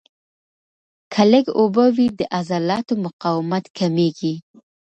که لږ اوبه وي، د عضلاتو مقاومت کمېږي.